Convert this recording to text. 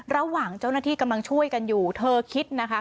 ระหว่างเจ้าหน้าที่กำลังช่วยกันอยู่เธอคิดนะคะ